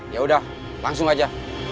yaudah langsung aja